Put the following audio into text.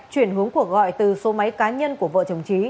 chuyển hướng cuộc gọi từ số máy cá nhân của vợ chồng trí